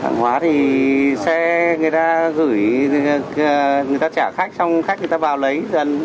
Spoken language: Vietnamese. hàng hóa thì xe người ta gửi người ta trả khách xong khách người ta vào lấy dần